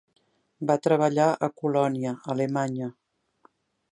Va treballar a Colònia, Alemanya.